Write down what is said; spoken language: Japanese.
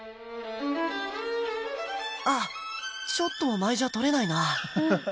あっちょっとお前じゃ取れないな。